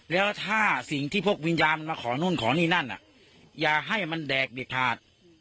แล้วถ้าสิ่งที่พวกวิญญาณมันมาขอนู่นขอนี่นั่นอย่าให้มันแดกเด็ดขาด